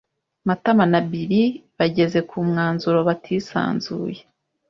Matama na Bill bageze ku mwanzuro batisanzuye